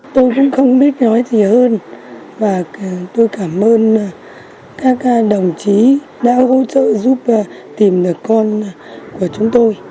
tôi cũng không biết nói gì hơn và tôi cảm ơn các đồng chí đã hỗ trợ giúp tìm người con của chúng tôi